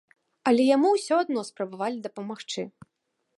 Але яму ўсё адно спрабавалі дапамагчы.